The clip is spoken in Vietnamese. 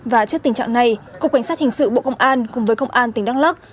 và trước tình trạng này cục cảnh sát hình sự bộ công an cùng với công an tỉnh đắk lắc